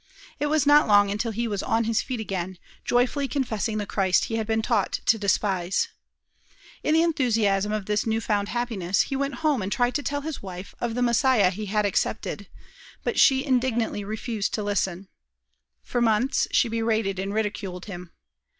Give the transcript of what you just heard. It was not long until he was on his feet again, joyfully confessing the Christ he had been taught to despise. In the enthusiasm of this new found happiness he went home and tried to tell his wife of the Messiah he had accepted, but she indignantly refused to listen. For months she berated and ridiculed him.